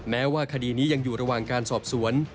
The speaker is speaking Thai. แม้ว่าคดีนี้ยังอยู่ระหว่างการสอบสวน